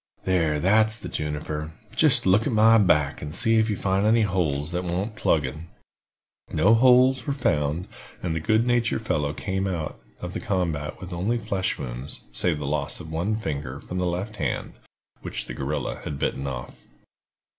There, that's the juniper. Jist look at my back, and see if you find any holes that want plugging." No "holes" were found, and the good natured fellow came out of the combat with only flesh wounds, save the loss of one finger from the left hand, which the guerrilla had bitten off.